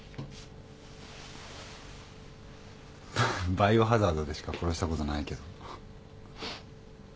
「バイオハザード」でしか殺したことないけど。